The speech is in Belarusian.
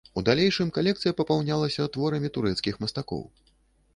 У далейшым калекцыя папаўнялася творамі турэцкіх мастакоў.